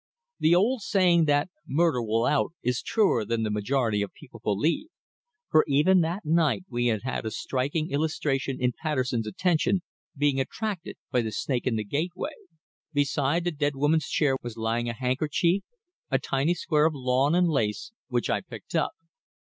The old saying that "Murder will out" is truer than the majority of people believe, for even that night we had had a striking illustration in Patterson's attention being attracted by the snake in the gateway. Beside the dead woman's chair was lying a handkerchief, a tiny square of lawn and lace, which I picked up.